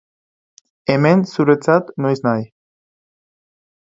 Hemen, zuretzat, noiznahi.